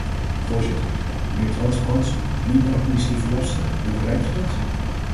Voorzitter, meer transparantie, minder administratieve lasten, hoe bereik je dat?